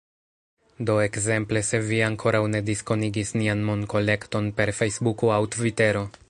Do ekzemple, se vi ankoraŭ ne diskonigis nian monkolekton per Fejsbuko aŭ Tvitero